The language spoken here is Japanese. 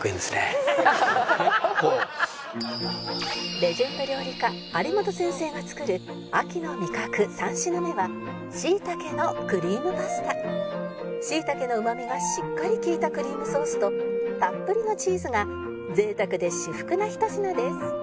レジェンド料理家有元先生が作る椎茸のうまみがしっかり利いたクリームソースとたっぷりのチーズが贅沢で至福なひと品です